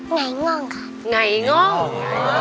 ไงง่องค่ะไงง่อง